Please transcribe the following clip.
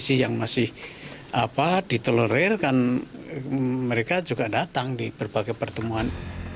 kondisi yang masih ditolerirkan mereka juga datang di berbagai pertemuan